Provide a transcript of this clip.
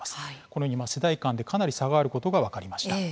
このように世代間でかなり差があることが分かりました。